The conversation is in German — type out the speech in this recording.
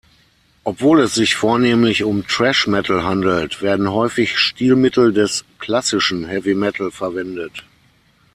Obwohl es sich vornehmlich um Thrash-Metal handelt, werden häufig Stilmittel des „klassischen“ Heavy-Metal verwendet.